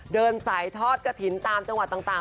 เดินสายทอดกระถิ่นตามจังหวัดต่าง